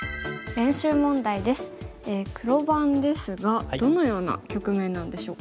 黒番ですがどのような局面なんでしょうか？